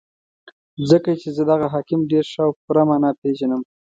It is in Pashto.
ځکه چې زه دغه حاکم ډېر ښه او په پوره مانا پېژنم.